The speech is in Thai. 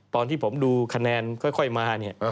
ตอนที่ผมดูคะแนนค่อยมา